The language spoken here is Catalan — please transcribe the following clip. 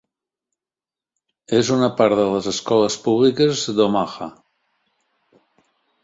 És una part de les escoles públiques d'Omaha.